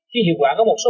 khi hiệu quả có một số